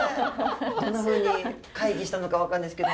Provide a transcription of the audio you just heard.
どんなふうにカイ議したのか分かんないですけど。